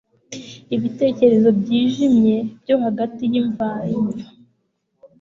Ibitekerezo byijimye byo hagati yimvaimva